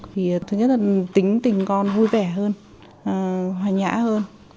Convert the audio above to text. thì thứ nhất là tính tình con vui vẻ hơn hoài nhã hơn